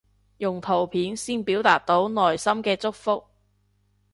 用圖片先表達到內心嘅祝福